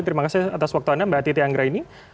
terima kasih atas waktu anda mbak titi anggra ini